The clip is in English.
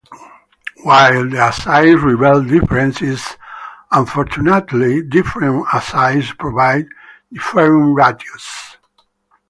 While the assays reveal differences, unfortunately, different assays provide differing ratios.